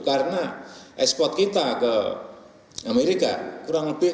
karena ekspor kita ke amerika kurang lebih